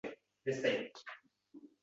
Farishtam